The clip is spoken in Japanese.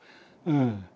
うん。